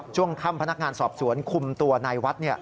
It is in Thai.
ช่วงค่ำพนักงานสอบสวนคุมตัวนายวัด